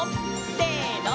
せの！